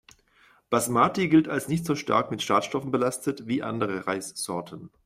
Basmati gilt als nicht so stark mit Schadstoffen belastet wie andere Reissorten.